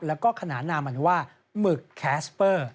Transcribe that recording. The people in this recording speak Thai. แล้วก็ขนานนามมันว่าหมึกแคสเปอร์